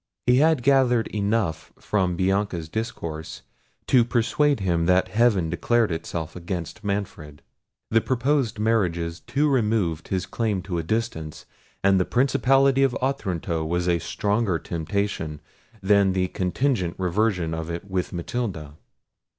He had gathered enough from Bianca's discourse to persuade him that heaven declared itself against Manfred. The proposed marriages too removed his claim to a distance; and the principality of Otranto was a stronger temptation than the contingent reversion of it with Matilda.